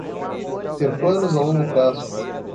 Ter planos a longo prazo